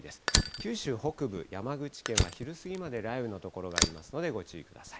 九州北部、山口県は昼過ぎまで雷雨の所がありますのでご注意ください。